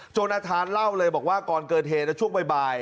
โจนาทานเล่าเลยบอกว่าก่อนเกอร์เทพศิษฐ์แล้วช่วงบ่าย